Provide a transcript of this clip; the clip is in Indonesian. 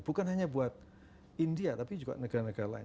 bukan hanya buat india tapi juga negara negara lain